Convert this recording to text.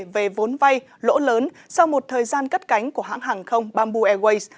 về vốn vay lỗ lớn sau một thời gian cất cánh của hãng hàng không bamboo airways